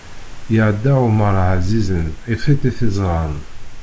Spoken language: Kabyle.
Iɛedda Ɛumer ɛzizen, i tiṭ i t-iẓran.